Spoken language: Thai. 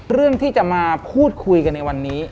เรื่องที่จะมาพูดคุยกันในวันนี้